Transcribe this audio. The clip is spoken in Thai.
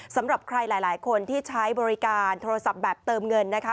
สำหรับใครหลายคนที่ใช้บริการโทรศัพท์แบบเติมเงินนะคะ